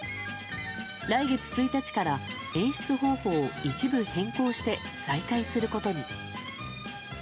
来月１日から演出方法を一部変更して再開することに。